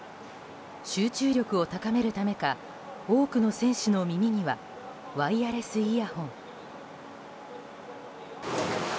集中力を高めるためか多くの選手の耳にはワイヤレスイヤホン。